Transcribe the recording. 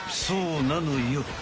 そうなのよ。